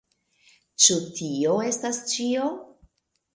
Ĉu tio estas ĉio?